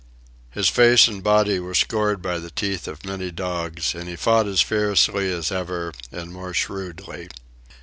His face and body were scored by the teeth of many dogs, and he fought as fiercely as ever and more shrewdly.